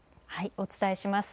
お伝えします。